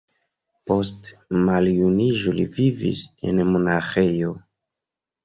Post maljuniĝo li vivis en monaĥejo.